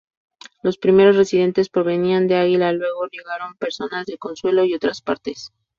Los primeros residentes provenían de Águila Luego llegaron personas de consuelo y otras partes.